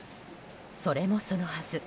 それもそのはず。